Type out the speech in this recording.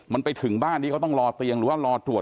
มันไปถึงบ้านที่เขาต้องรอเตียงหรือว่ารอตรวจ